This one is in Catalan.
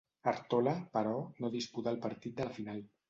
Artola, però, no disputà el partit de la final.